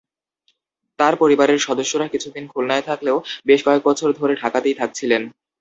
তাঁর পরিবারের সদস্যরা কিছুদিন খুলনায় থাকলেও বেশ কয়েক বছর ধরে ঢাকাতেই থাকছিলেন।